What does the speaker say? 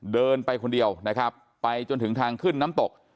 เดินไปคนเดียวนะครับไปจนถึงทางขึ้นน้ำตก